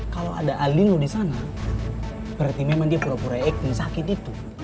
kalo ada alin lu disana berarti memang dia pura pura reacting sakit itu